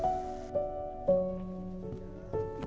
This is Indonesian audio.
mereka bisa melihat keadaan mereka sendiri